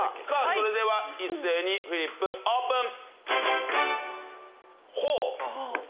それでは一斉にフリップオープン！